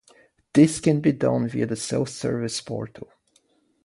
This can be done via the Self Service Portal